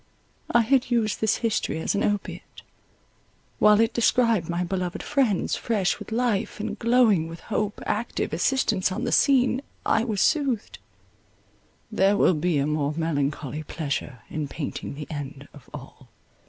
I had used this history as an opiate; while it described my beloved friends, fresh with life and glowing with hope, active assistants on the scene, I was soothed; there will be a more melancholy pleasure in painting the end of all.